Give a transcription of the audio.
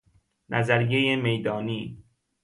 نظریه میدانی